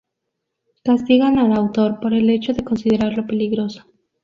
Castigan al autor por el hecho de considerarlo peligroso.